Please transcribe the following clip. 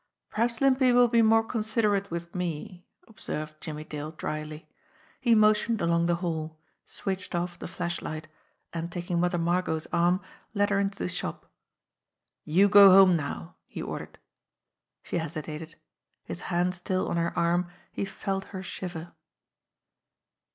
"Perhaps Limpy will be more considerate with me," ob served Jimmie Dale dryly. He motioned along the hall, switched off the flashlight, and taking Mother Margot's arm, led her into the shop. "You go home now," he ordered. She hesitated. His hand still on her arm, he felt her shiver.